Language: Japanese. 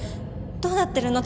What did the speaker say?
どうなってるの？